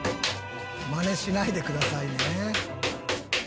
マネしないでくださいね全部。